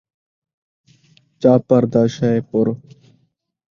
چاپڑ دا شہ پور